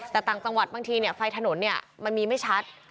แต่ต่างจังหวัดบางทีเนี่ยไฟถนนเนี่ยมันมีไม่ชัด